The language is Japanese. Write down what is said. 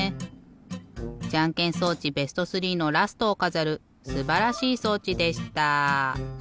じゃんけん装置ベスト３のラストをかざるすばらしい装置でした。